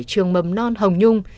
trường mầm non hồng nhung